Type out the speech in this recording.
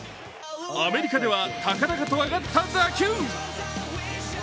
アメリカでは高々と上がった打球。